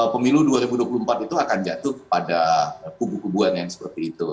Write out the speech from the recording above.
pemilu dua ribu dua puluh empat itu akan jatuh pada kubu kubuan yang seperti itu